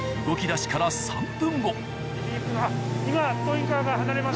動き出しから３分後。